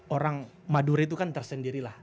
orang maduri itu kan tersendiri lah